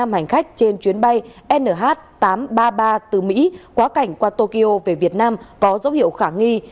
một mươi hành khách trên chuyến bay nh tám trăm ba mươi ba từ mỹ quá cảnh qua tokyo về việt nam có dấu hiệu khả nghi